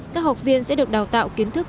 các học viên sẽ được đào tạo kiến thức